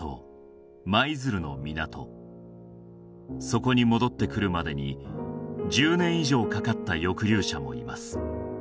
そこに戻ってくるまでに１０年以上かかった抑留者もいます